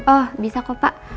oh bisa kok pak